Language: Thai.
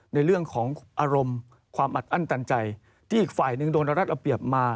ในเรื่องของอารมณ์ความอัดอั้นตันใจที่อีกฝ่ายหนึ่งโดนระรัดเอาเปรียบมา